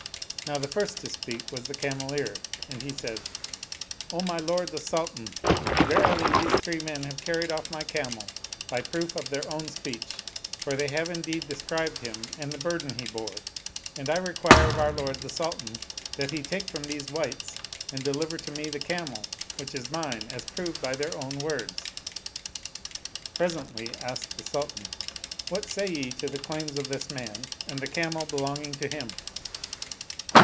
" Now the first to speak was the Cameleer and he said, " O my lord the Sultan ; verily these three men have carried off my camel by proof of their own speech, for they have indeed de* 109 Oriental Mystery Stories scri6e9 him and the burden he bore I And I require of our lord the Sultan that he take from these wights and deliver to me the camel which is mine as proved by their own words." Presently, asked the Sultan, " What say ye to the claims of this man and the camel belonging to him?"